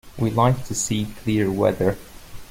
We like to see clear weather.